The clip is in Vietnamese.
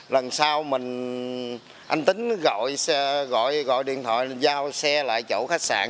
lần sau mình anh tính gọi điện thoại giao xe lại chỗ khách sạn